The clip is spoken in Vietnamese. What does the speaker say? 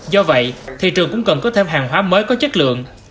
do vậy thị trường cũng cần có thêm hàng hóa mới có chất lượng